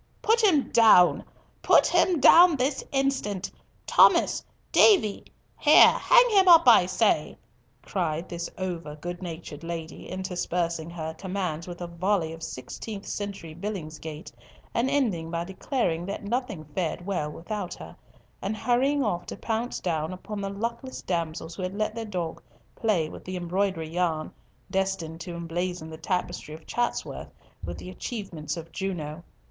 "Put him down! put him down this instant! Thomas! Davy! Here, hang him up, I say," cried this over good natured lady, interspersing her commands with a volley of sixteenth century Billingsgate, and ending by declaring that nothing fared well without her, and hurrying off to pounce down on the luckless damsels who had let their dog play with the embroidery yarn destined to emblazon the tapestry of Chatsworth with the achievements of Juno.